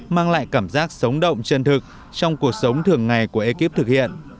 mang lại cảm giác sống động chân thực trong cuộc sống thường ngày của ekip thực hiện